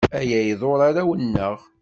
Aya iḍurr arraw-nneɣ.